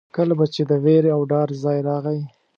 کله به چې د وېرې او ډار ځای راغی.